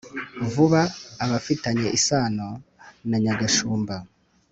Vuga abafitanye isano na Nyagashumba